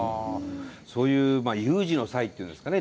そういう有事の際っていうんですかね